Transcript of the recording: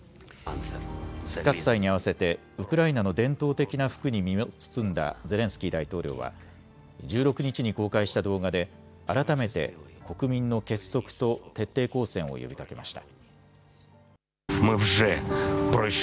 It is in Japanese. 復活祭に合わせてウクライナの伝統的な服に身を包んだゼレンスキー大統領は１６日に公開した動画で改めて国民の結束と徹底抗戦を呼びかけました。